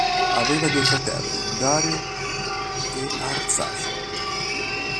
Aveva due fratelli: Dario e Arsace.